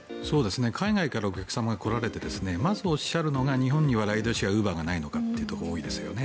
海外からのお客様が来られてまずおっしゃるのが日本にはライドシェアウーバーがないのかということが多いですよね。